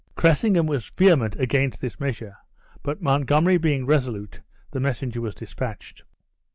Cressingham was vehement against this measure, but Montgomery being resolute, the messenger was dispatched.